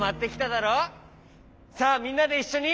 さあみんなでいっしょに。